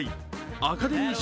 アカデミー賞